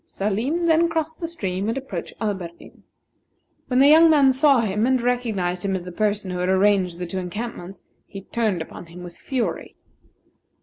Salim then crossed the stream, and approached Alberdin. When the young man saw him, and recognized him as the person who had arranged the two encampments, he turned upon him with fury.